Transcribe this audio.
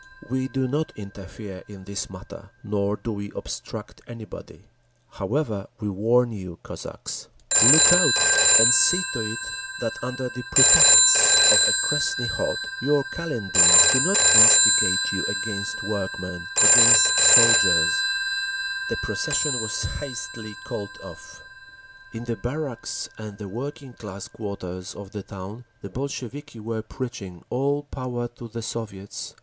We do not interfere in this matter, nor do we obstruct anybody…. However, we warn you, Cossacks! Look out and see to it that under the pretext of a Krestni Khod, your Kaledins do not instigate you against workmen, against soldiers…. The procession was hastily called off…. In the barracks and the working class quarters of the town the Bolsheviki were preaching, "All Power to the Soviets!"